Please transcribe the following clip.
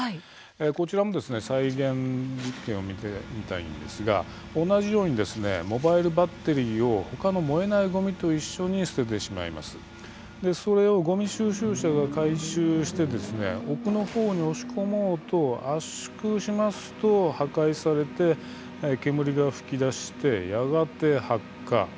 こちらは、再現実験ですが同じようにモバイルバッテリーを他の燃えないごみと一緒に捨ててしまうとそれをごみ収集車が回収して奥の方に押し込もうと圧縮しますと破壊されましてしばらくすると煙が噴き出しやがて発火。